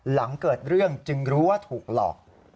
หลังเกิดเรื่องจึงรู้ว่าถูกหลอก